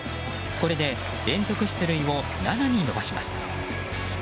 これで連続出塁を７に伸ばします。